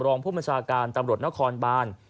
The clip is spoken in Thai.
รองผู้บัญชาการตำรวจนครบาน